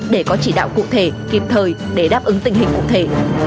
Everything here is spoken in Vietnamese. để có chỉ đạo cụ thể kịp thời để đáp ứng tình hình cụ thể